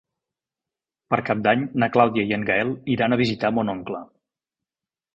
Per Cap d'Any na Clàudia i en Gaël iran a visitar mon oncle.